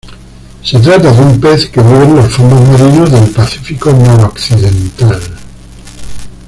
Se trata de un pez que vive en los fondos marinos del Pacífico noroccidental.